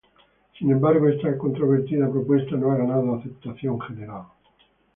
Sin embargo esta controvertida propuesta no ha ganado aceptación general.